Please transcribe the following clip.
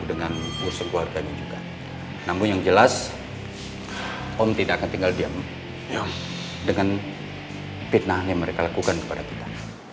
dengan fitnah yang mereka lakukan kepada kita